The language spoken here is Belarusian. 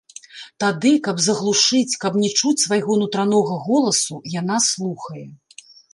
Тады, каб заглушыць, каб не чуць свайго нутранога голасу, яна слухае.